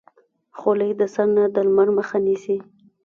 خولۍ د سر نه د لمر مخه نیسي.